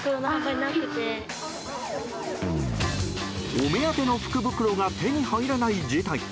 お目当ての福袋が手に入らない事態。